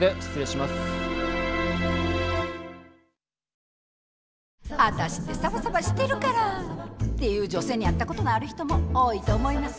「ワタシってサバサバしてるから」って言う女性に会ったことのある人も多いと思います。